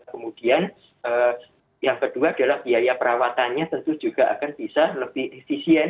kemudian yang kedua adalah biaya perawatannya tentu juga akan bisa lebih efisien